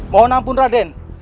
mohon ampun raden